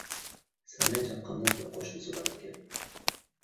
سەلەي چاققاننىڭ بىر قوشنىسى بار ئىكەن.